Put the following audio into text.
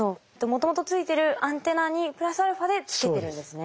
もともとついてるアンテナにプラスアルファでつけてるんですね。